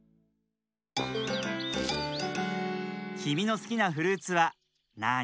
きみのすきなフルーツはなあに？